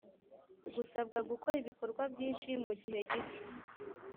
gusabwa gukora ibikorwa byinshi mu gihe gito